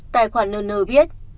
tài khoản nơ nơ viết